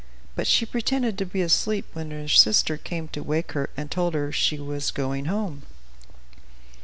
But she pretended to be asleep when her sister came to wake her and told her she was going home.